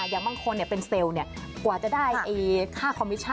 อย่างบางคนเป็นเซลล์กว่าจะได้ค่าคอมมิชชั่น